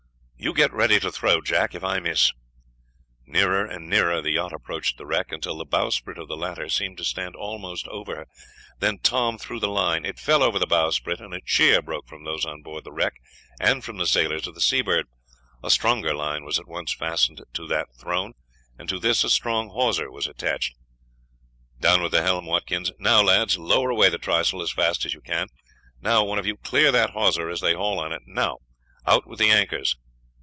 "You get ready to throw, Jack, if I miss." Nearer and nearer the yacht approached the wreck, until the bowsprit of the latter seemed to stand almost over her. Then Tom threw the line. It fell over the bowsprit, and a cheer broke from those on board the wreck and from the sailors of the Seabird. A stronger line was at once fastened to that thrown, and to this a strong hawser was attached. "Down with the helm, Watkins. Now, lads, lower away the trysail as fast as you can. Now, one of you, clear that hawser as they haul on it. Now out with the anchors."